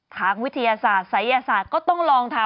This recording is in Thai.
ทางวิทยาศาสตร์ศัยศาสตร์ก็ต้องลองทำ